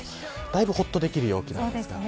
だいぶほっとできる陽気です。